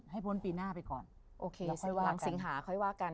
ให้พ้นปีหน้าไปก่อน